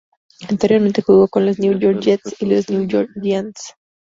Anteriormente jugó con los New York Jets y los New York Giants.